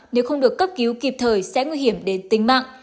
nếu không được cấp cứu kịp thời sẽ nguy hiểm đến tính mạng